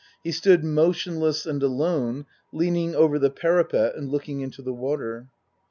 He stood motionless and alone, leaning over the parapet and looking into the water.